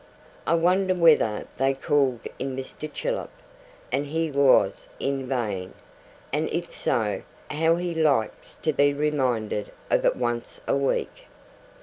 I wonder whether they called in Mr. Chillip, and he was in vain; and if so, how he likes to be reminded of it once a week.